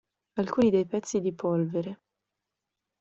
Alcuni dei pezzi di "Polvere.